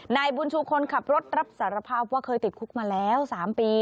นายบุญชูคนขับรถรับสารภาพว่าเคยติดคุกมาแล้ว๓ปี